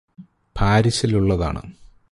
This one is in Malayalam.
പാരിസിലുള്ളതാണ്